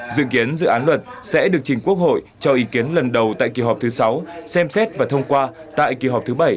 dự kiến dự án luật sẽ được trình quốc hội cho ý kiến lần đầu tại kỳ họp thứ sáu xem xét và thông qua tại kỳ họp thứ bảy